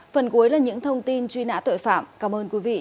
phần cuối là những thông tin truy nã tội phạm